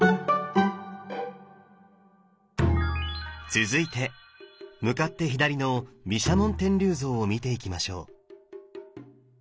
続いて向かって左の毘沙門天立像を見ていきましょう。